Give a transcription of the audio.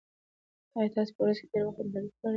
ایا تاسي په ورځ کې ډېر وخت انټرنيټ کاروئ؟